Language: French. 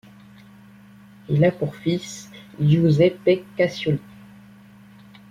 Il a pour fils Giuseppe Cassioli.